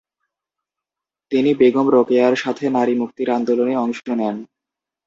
তিনি বেগম রোকেয়ার সাথে নারীমুক্তির আন্দোলনে অংশ নেন।